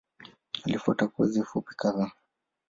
Alifuata kozi fupi kadhaa.